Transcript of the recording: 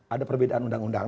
ada perbedaan undang undang